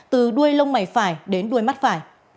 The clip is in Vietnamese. từ đuôi lông mảy phải đến đuôi mắt phải